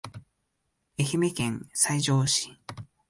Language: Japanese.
愛媛県西条市